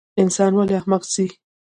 انسان ولۍ احمق سي؟